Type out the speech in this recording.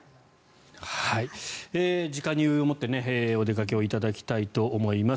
時間に余裕を持ってお出かけいただきたいと思います。